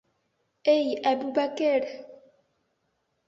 Эй Әбүбәкер!